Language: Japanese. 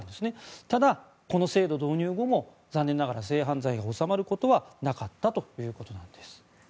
ただ、この制度導入後も残念ながら性犯罪が収まることはなかったということなんです。